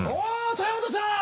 豊本さん！